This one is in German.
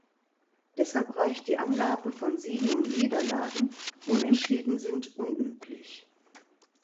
Deshalb reicht die Angabe von Siegen und Niederlagen (Unentschieden sind unüblich).